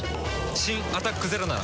新「アタックＺＥＲＯ」なら。